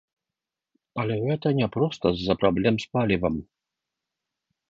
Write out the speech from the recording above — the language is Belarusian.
Але гэта няпроста з-за праблем з палівам.